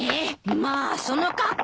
まあその格好！